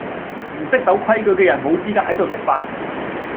唔識守規矩既人無資格喺度食飯